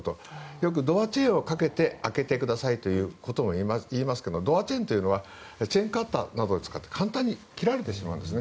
よくドアチェーンをかけて開けてくださいといいますけどドアチェーンというのはチェーンカッターなどを使って簡単に切られてしまうんですね。